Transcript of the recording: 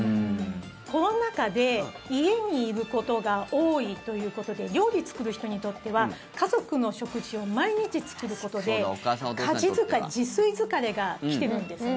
コロナ禍で家にいることが多いということで料理作る人にとっては家族の食事を毎日作ることで家事疲れ、自炊疲れが来てるんですね。